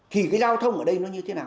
thì cái giao thông ở đây nó như thế nào